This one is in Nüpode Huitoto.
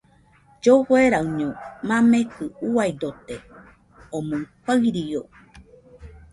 Llofueraɨño mamekɨ uiadote, omɨ farió